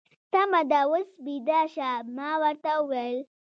سمه ده، اوس بېده شه. ما ورته وویل.